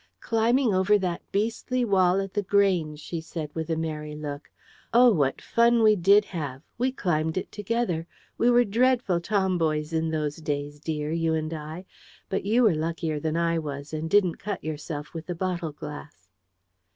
"Climbing over that beastly wall at The Grange," she said with a merry look. "Oh, what fun we did have! We climbed it together. We were dreadful tomboys in those days, dear, you and I: but you were luckier than I was, and didn't cut yourself with the bottle glass."